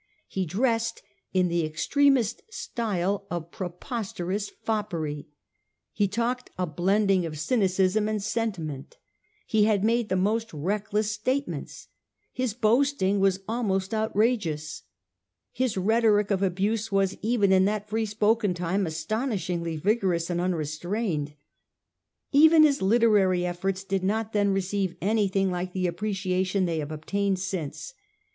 He dressed in the extremest style of preposterous fop pery; he talked a blending of cynicism and senti ment ; he had made the most reckless statements ; his boasting was almost outrageous ; his rhetoric of abuse was, even in that free spoken time, astonishingly vigorous and unrestrained. Even his literary efforts did not then receive anything like the appreciation they have obtained since.